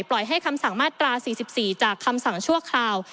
ปล่อยให้คำสั่งมาตรา๔๔จากคำสั่งชั่วคราว